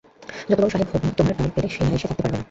যতবড়ো সাহেব হোক-না, তোমার তার পেলে সে না এসে থাকতে পারবে না।